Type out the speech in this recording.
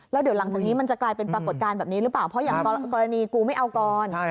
แล้วเดี๋ยวหลังจากนี้มันจะกลายเป็นปรากฏการณ์แบบนี้หรือเปล่าเพราะอย่างกรณีกูไม่เอาก่อน